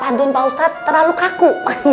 pantun pak ustadz terlalu kaku